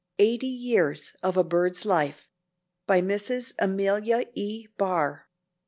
EIGHTY YEARS OF A BIRD'S LIFE. BY MRS. AMELIA E. BARR.